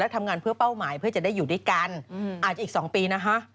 ที่จะได้อยู่ด้วยกันอาจอีกสองปีนะฮะ